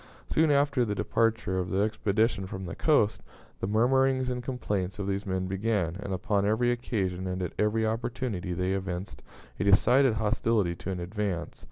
Soon after the departure of the expedition from the coast, the murmurings and complaints of these men began, and upon every occasion and at every opportunity they evinced a decided hostility to an advance.